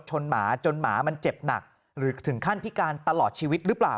หมาจนหมามันเจ็บหนักหรือถึงขั้นพิการตลอดชีวิตหรือเปล่า